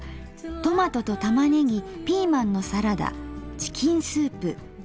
「トマトと玉ねぎピーマンのサラダチキンスープ」。